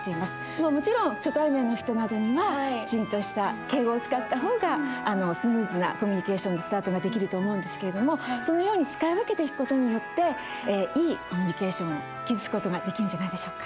まあもちろん初対面の人などにはきちんとした敬語を使った方がスムーズなコミュニケーションのスタートができると思うんですけどもそのように使い分けてく事によっていいコミュニケーションを築く事ができるんじゃないでしょうか？